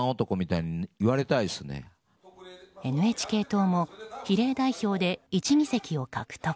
ＮＨＫ党も比例代表で１議席を獲得。